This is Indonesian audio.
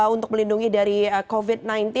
untuk melindungi dari covid sembilan belas